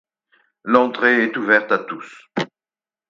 L’entrée est ouverte à tous.